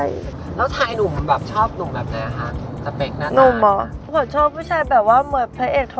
แล้วชายหนูแบบชอบหนูแบบไหนแหละคะ